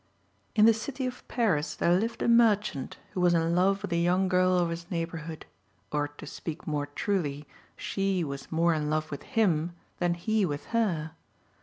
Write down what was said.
In the city of Paris there lived a merchant who was in love with a young girl of his neighbourhood, or, to speak more truly, she was more in love with him than he with her.